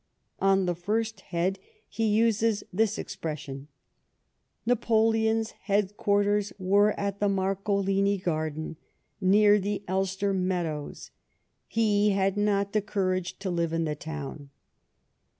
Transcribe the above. On tlie first head he uses this expression :" Na])oleon's head ([uarters were at the 3Iarcolini Garden, near the Elster meadows, lie had not the courage to live in the town."